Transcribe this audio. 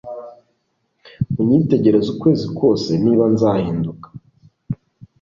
Unyitegereze ukwezi kose niba nzahinduka